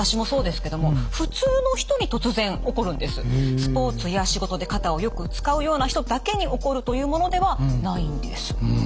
スポーツや仕事で肩をよく使うような人だけに起こるというものではないんです。